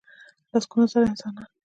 لسګونه زره انسانان .